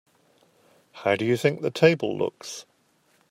How do you think the table looks?